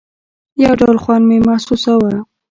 يو ډول خوند مې محسوساوه.